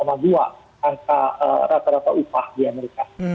angka rata rata upah di amerika